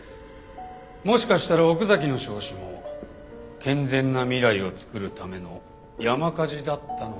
もしかしたら奥崎の焼死も健全な未来を作るための山火事だったのかもしれないね。